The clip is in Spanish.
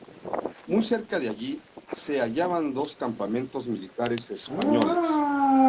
Muy cerca de allí, se hallaban dos campamentos militares españoles.